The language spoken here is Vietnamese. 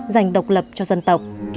dành độc lập cho dân tộc